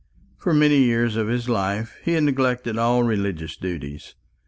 For many years of his life he had neglected all religious duties.